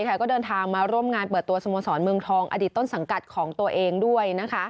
ก็เดินทางมาร่วมงานเปิดตัวสโมสรเมืองทองอดีตต้นสังกัดของตัวเองด้วย